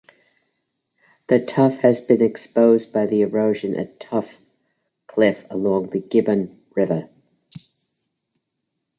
The tuff has been exposed by erosion at Tuff Cliff along the Gibbon River.